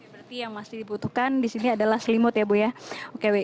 berarti yang masih dibutuhkan di sini adalah selimut ya bu ya